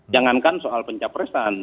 jangankan soal pencapresan